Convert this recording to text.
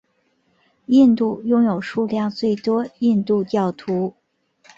印度拥有数量最多印度教徒。